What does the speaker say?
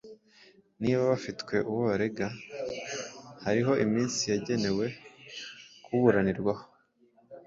niba bafite uwo barega, hariho iminsi yagenewe kuburanirwamo,